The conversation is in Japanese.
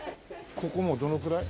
ここもうどのくらい？